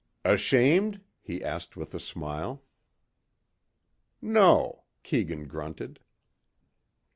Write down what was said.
"Ashamed?" he asked with a smile. "No," Keegan grunted.